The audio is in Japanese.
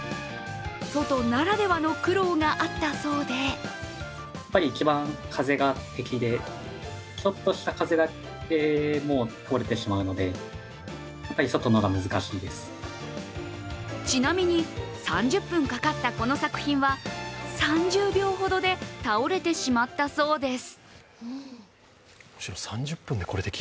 外ならではの苦労があったそうでちなみに、３０分かかったこの作品は３０秒ほどで倒れてしまったそうです。